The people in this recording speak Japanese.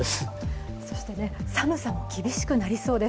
寒さも厳しくなりそうです。